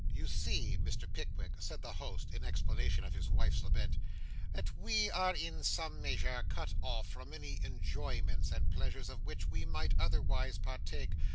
'You see, Mr. Pickwick,' said the host in explanation of his wife's lament, 'that we are in some measure cut off from many enjoyments and pleasures of which we might otherwise partake.